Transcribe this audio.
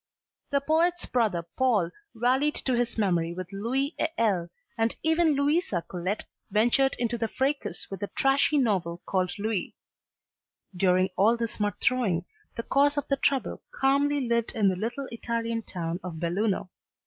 The poet's brother Paul rallied to his memory with "Lui et Elle," and even Louisa Colet ventured into the fracas with a trashy novel called "Lui." During all this mud throwing the cause of the trouble calmly lived in the little Italian town of Belluno.